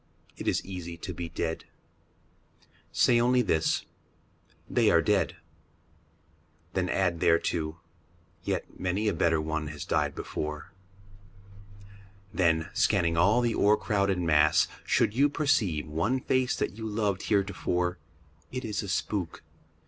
It is easy to be dead. Say only this, " They are dead." Then add thereto, " Yet many a better one has died before." Then, scanning all the o'ercrowded mass, should you Perceive one face that you loved heretofore, It is a spook.